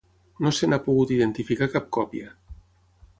No se n'ha pogut identificar cap còpia.